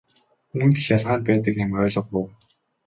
Үүнд л ялгаа нь байдаг юм ойлгов уу?